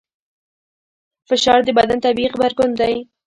فشار د بدن طبیعي غبرګون دی.